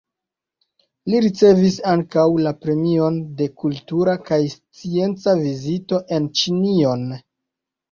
Li ricevis ankaŭ la Premion de Kultura kaj Scienca Vizito en Ĉinion.